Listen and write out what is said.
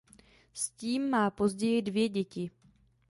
S tím má později dvě děti.